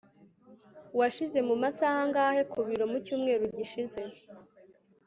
washyize mu masaha angahe ku biro mu cyumweru gishize